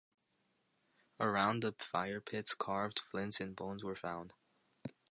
Around the fire pits carved flints and bones were found.